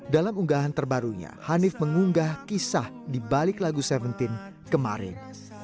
dalam unggahan terbarunya hanif mengunggah kisah di balik lagu tujuh belas kemarin